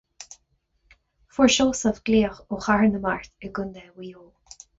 Fuair Seosamh glaoch ó Chathair na Mart i gContae Mhaigh Eo.